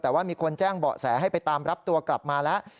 แต่ว่ามีคนแจ้งเบาะแสให้ไปตามรับตัวกลับมาแล้ว